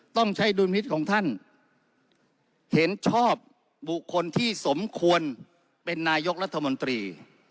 ต้องใช้ดุลมิตรของท่านเห็นชอบบุคคลที่สมควรเป็นนายกรัฐมนตรี